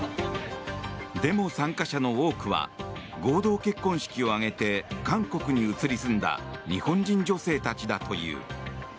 デモ参加者の多くは合同結婚式を挙げて韓国に移り住んだ日本人女性たちだという。